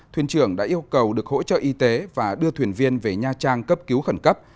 thuyền trưởng đã yêu cầu được hỗ trợ y tế và đưa thuyền viên về nha trang cấp cứu khẩn cấp